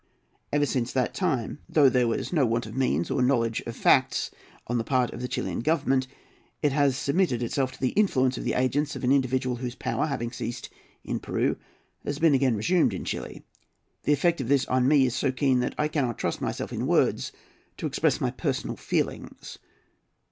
Ever since that time, though there was no want of means or knowledge of facts on the part of the Chilian Government, it has submitted itself to the influence of the agents of an individual whose power, having ceased in Peru, has been again resumed in Chili. The effect of this on me is so keen that I cannot trust myself in words to express my personal feelings.